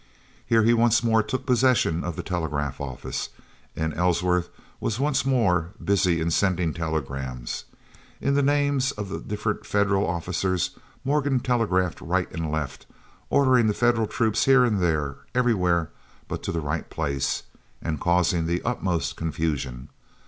Here he once more took possession of the telegraph office, and Ellsworth was once more busy in sending telegrams. In the names of the different Federal officers Morgan telegraphed right and left, ordering the Federal troops here and there, everywhere but to the right place, and causing the utmost confusion.